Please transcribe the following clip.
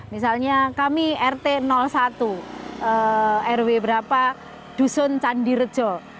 misalnya kami rt satu rw berapa dusun candirejo